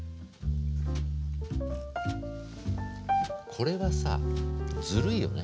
これはさずるいよね。